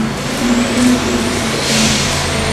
আমার জন্য সে গুরুত্বপূর্ণ?